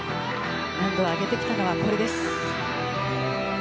難度を上げてきたのはこれです。